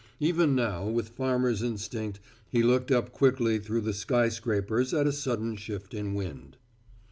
Even now, with farmer's instinct, he looked up quickly through the skyscrapers at a sudden shift in wind.